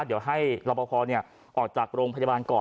เดี๋ยวให้รอปภออกจากโรงพยาบาลก่อน